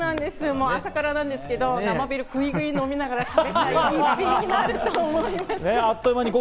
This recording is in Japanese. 朝からなんですけど、生ビールぐいぐい飲みながらという一品になると思います。